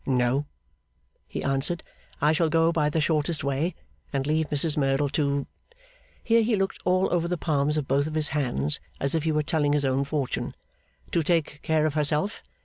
'No,' he answered; 'I shall go by the shortest way, and leave Mrs Merdle to ' here he looked all over the palms of both his hands as if he were telling his own fortune 'to take care of herself.